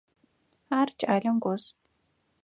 Ар кӏалэм гос.